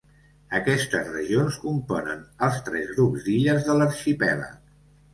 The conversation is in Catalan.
Aquestes regions componen els tres grups d'illes de l'arxipèlag: